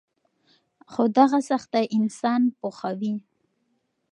خو دغه سختۍ انسان پوخوي.